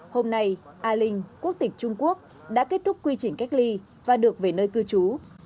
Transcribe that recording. hôm nay al linh quốc tịch trung quốc đã kết thúc quy trình cách ly và được về nơi cư trú